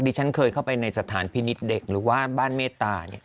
ฉันเคยเข้าไปในสถานพินิษฐ์เด็กหรือว่าบ้านเมตตา